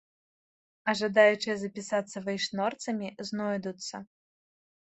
А жадаючыя запісацца вейшнорцамі знойдуцца.